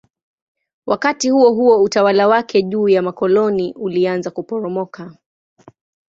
Wakati huohuo utawala wake juu ya makoloni ulianza kuporomoka.